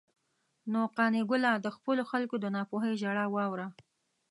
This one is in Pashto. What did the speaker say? نو قانع ګله، د خپلو خلکو د ناپوهۍ ژړا واوره.